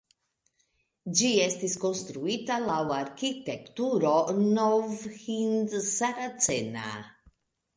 Ĝi estis konstruita laŭ arkitekturo nov-hind-saracena.